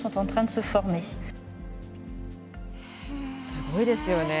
すごいですよね。